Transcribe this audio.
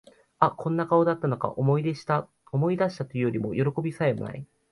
あ、こんな顔だったのか、思い出した、というようなよろこびさえ無い